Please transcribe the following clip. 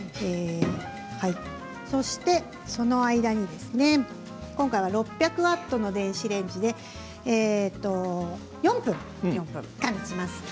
そして、その間に６００ワットの電子レンジで４分加熱します。